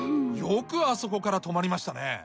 よくあそこから止まりましたね。